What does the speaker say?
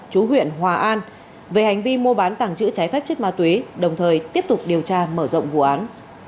chú huyện hòa an về hành vi mua bán tàng trữ trái phép chất ma túy đồng thời tiếp tục điều tra mở rộng vụ án